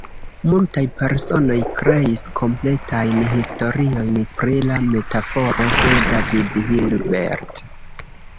Multaj personoj kreis kompletajn historiojn pri la metaforo de David Hilbert.